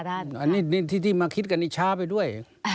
อันนี้ที่มาคิดกันนี่ช้าไปด้วย